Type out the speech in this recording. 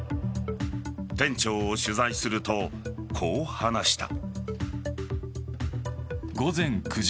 店長を取材するとこう話した。